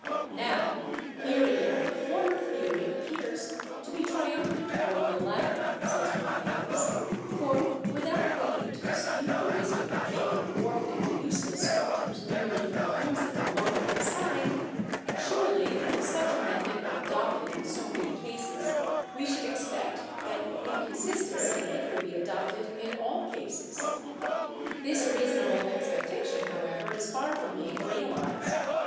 "Now, here again the former theory appears to be triumphant over the latter," says Romanes, "for, without waiting to dispute the wisdom of making dwarfed and use less structures merely for the whimsical motive assigned, EVIDENCES OF ORGANIC DESCENT 147 surely if such a method were adoptecl in so many cases, we should expect that in consistency it would be adopted in all cases. This reasonable expectation, however, is far from being realized.